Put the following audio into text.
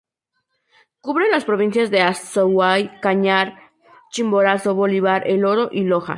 Cubre las provincias de Azuay, Cañar, Chimborazo, Bolívar, El Oro, y Loja.